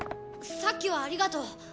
さっきはありがとう。